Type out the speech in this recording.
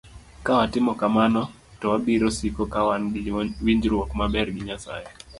Ka watimo kamano, to wabiro siko ka wan gi winjruok maber gi Nyasaye.